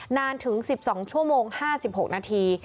นานถึง๑๒ชั่วโมง๕๖นาที